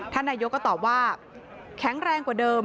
นายกก็ตอบว่าแข็งแรงกว่าเดิม